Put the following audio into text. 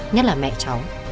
nhất là mẹ cháu